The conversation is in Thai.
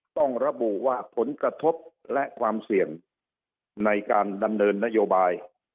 ต้องระบุว่าผลกระทบและความเสี่ยงในการดำเนินนโยบาย